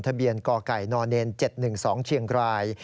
ทะเบียนก่อไก่นเนน๗๑๒เชียงกราย